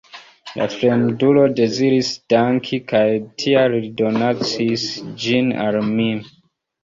La fremdulo deziris danki kaj tial li donacis ĝin al mi.